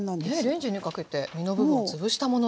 レンジにかけて実の部分を潰したものですが。